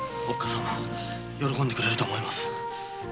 おっかさんも喜んでくれると思います。